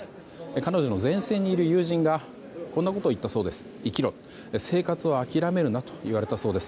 彼女の前線にいる友人がこんなことを言ったそうです。